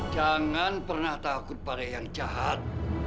jangan pernah takut pada yang jahat